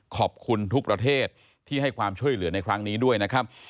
ขอบคุณทุกประเทศที่ให้ความช่วยเหลือในครั้งนี้ด้วยนะครับ